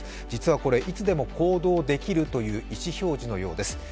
実は、いつでも行動できるという意思表示のようです。